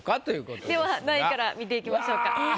では何位から見ていきましょうか。